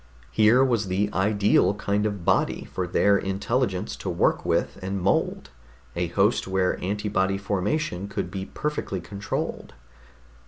Here was the ideal kind of body for their intelligence to work with and mold, a host where antibody formation could be perfectly controlled.